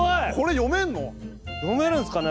読めるんすかね？